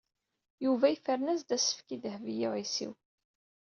Yuba yefren-as-d asefk i Dehbiya u Ɛisiw.